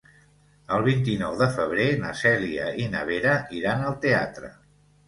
El vint-i-nou de febrer na Cèlia i na Vera iran al teatre.